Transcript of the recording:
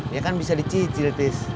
ya kan bisa dicicil